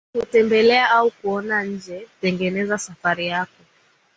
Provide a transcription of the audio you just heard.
kutembelea au kuona nje tengeneza safari yako